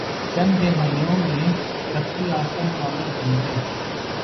چند دہائیوں میں ترقی یافتہ ممالک بن گئے